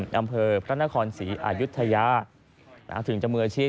อำเภอพระนครศรีอายุทยาถึงจะมืออาชีพ